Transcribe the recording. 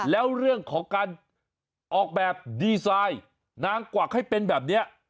แล้วเรื่องของการออกแบบดีไซน์นางกวักให้เป็นแบบนี้